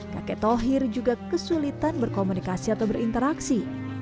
kakek tohir juga kesulitan berkomunikasi atau berinteraksi